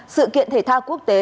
sự kiện thể thao quốc tế